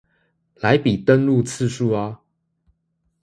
來比登入次數啊